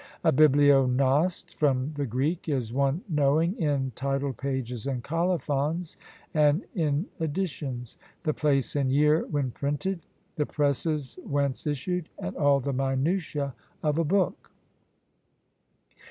A bibliognoste, from the Greek, is one knowing in title pages and colophons, and in editions; the place and year when printed; the presses whence issued; and all the minutiæ of a book.